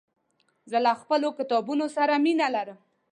زه له خپلو کتابونو سره مينه لرم.